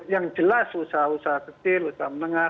yang jelas usaha usaha kecil usaha menengah